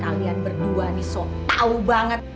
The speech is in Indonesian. kalian berdua nih so tau banget